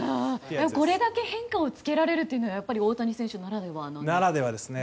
これだけ変化をつけられるというのは大谷選手ならではなんですか。